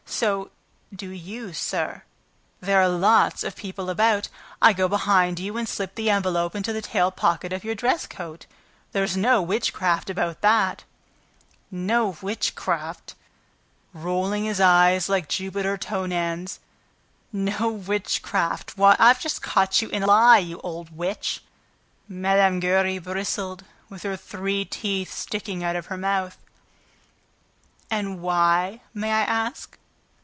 So do you, sir ... There are lots of people about ... I go behind you and slip the envelope into the tail pocket of your dress coat ... There's no witchcraft about that!" "No witchcraft!" growled Richard, rolling his eyes like Jupiter Tonans. "No witchcraft! Why, I've just caught you in a lie, you old witch!" Mme. Giry bristled, with her three teeth sticking out of her mouth. "And why, may I ask?"